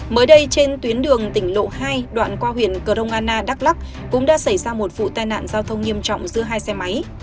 mới đây trên tuyến đường tỉnh lộ hai đoạn qua huyện cờ rông anna đắk lắc cũng đã xảy ra một vụ tai nạn giao thông nghiêm trọng giữa hai xe máy